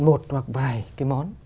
một hoặc vài cái món